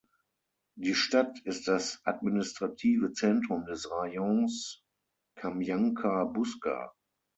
Die Stadt ist das administrative Zentrum des Rajons Kamjanka-Buska.